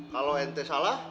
kalau ente salah